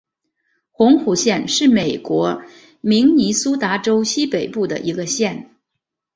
红湖县是美国明尼苏达州西北部的一个县。